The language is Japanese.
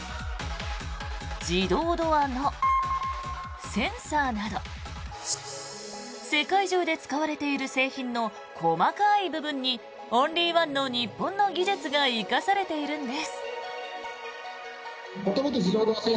自動ドアのセンサーなど世界中で使われている製品の細かい部分にオンリーワンの日本の技術が生かされているんです。